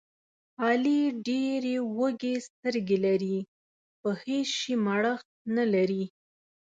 علي ډېرې وږې سترګې لري، په هېڅ شي مړښت نه لري.